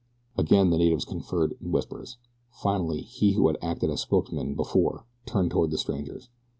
Again the natives conferred in whispers. Finally he who had acted as spokesman before turned toward the strangers.